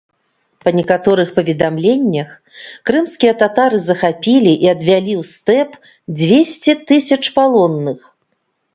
Па некаторых паведамленнях, крымскія татары захапілі і адвялі ў стэп дзвесце тысяч палонных.